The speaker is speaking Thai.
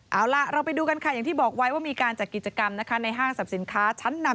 เอาล่ะเราไปดูกันค่ะอย่างที่บอกไว้ว่ามีการจัดกิจกรรมนะคะในห้างสรรพสินค้าชั้นนำ